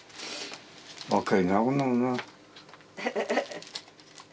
若いなこんなのな。